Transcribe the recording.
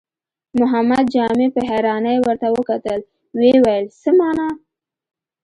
محمد جامي په حيرانۍ ورته وکتل، ويې ويل: څه مانا؟